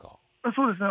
そうですね。